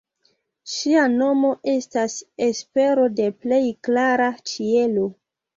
Ŝia nomo estas espero de plej klara ĉielo.